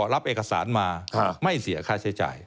รับเอกสารมาไม่เสียค่าใช้จ่าย